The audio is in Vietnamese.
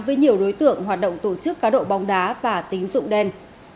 với nhiều đối tượng hoạt động tổ chức cá độ bóng đá và tính dụng đen